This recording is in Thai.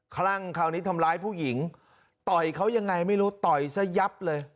คลั่งคราวนี้ทำร้ายผู้หญิงต่อยเขายังไงไม่รู้ต่อยซะยับเลย